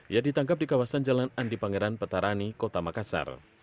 ia ditangkap di kawasan jalan andi pangeran petarani kota makassar